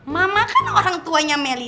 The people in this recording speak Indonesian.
mama kan orang tuanya melly